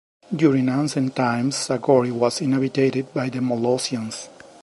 During ancient times, Zagori was inhabited by the Molossians.